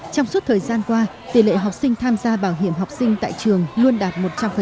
trong suốt thời gian qua tỷ lệ học sinh tham gia bảo hiểm học sinh tại trường luôn đạt một trăm linh